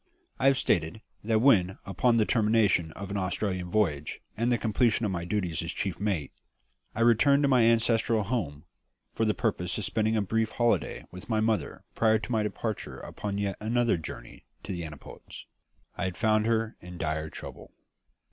I have stated that when, upon the termination of an Australian voyage and the completion of my duties as chief mate, I returned to my ancestral home for the purpose of spending a brief holiday with my mother prior to my departure upon yet another journey to the antipodes, I had found her in dire trouble.